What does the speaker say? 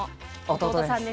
弟です。